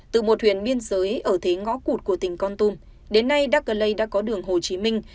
từ một huyền biên giới ở thế ngõ cụt của tỉnh con tum đến nay đắc lê đã có đường hồ chí minh